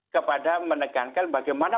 kepada menegangkan bagaimana